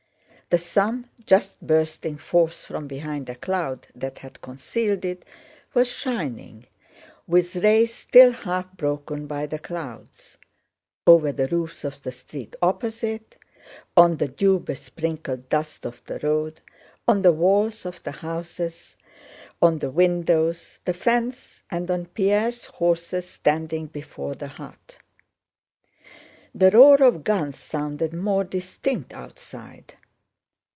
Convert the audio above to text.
The sun, just bursting forth from behind a cloud that had concealed it, was shining, with rays still half broken by the clouds, over the roofs of the street opposite, on the dew besprinkled dust of the road, on the walls of the houses, on the windows, the fence, and on Pierre's horses standing before the hut. The roar of guns sounded more distinct outside.